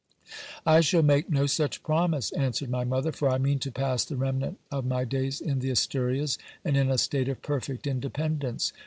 I shall make no such promise, answered my mother, for I mean to pass the remnant of my days in the Asturias, and in a state of perfect independence.